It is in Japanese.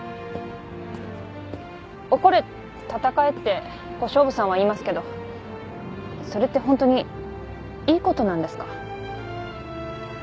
怒れ戦えって小勝負さんは言いますけどそれってホントにいいことなんですか？